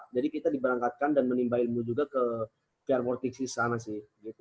jadi kita diberangkatkan dan menimba ilmu juga ke vr empat d enam di sana sih